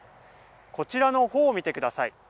こちらの穂を見てください。